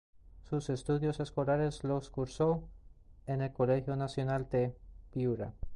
Sus estudios escolares los cursó en el Colegio Nacional de Piura.